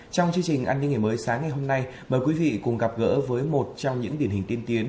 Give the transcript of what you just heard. trong chương trình an ninh ngày mới sáng ngày hôm nay mời quý vị cùng gặp gỡ với một trong những điển hình tiên tiến